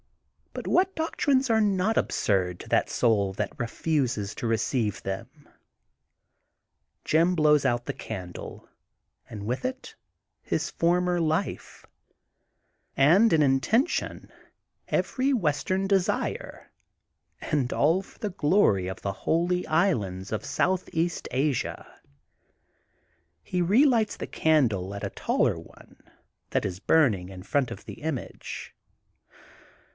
But what doctrines are not absurd to that soul that refuses to receive themf Jim blows out the candle, and with it his former life, and, in intention, every western desire^ and all for the glory of the holy islands of southeast Asia. He relights the candle at a taller one that is burning in front of the image.